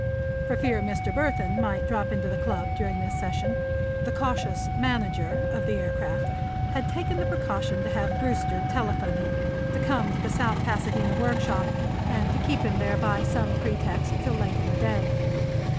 For fear Mr. Burthon might drop into the Club during this session, the cautious "manager" of the aircraft had taken the precaution to have Brewster telephone him to come to the South Pasadena workshop, and to keep him there by some pretext till late in the day.